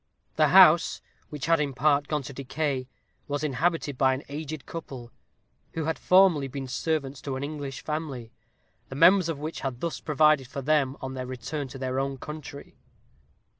The house, which had in part gone to decay, was inhabited by an aged couple, who had formerly been servants to an English family, the members of which had thus provided for them on their return to their own country.